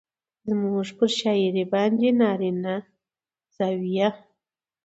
زموږ پر شاعرۍ باندې نارينه زاويه